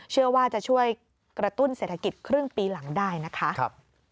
เชื่อว่าจะช่วยกระตุ้นเศรษฐกิจครึ่งปีหลังได้นะคะ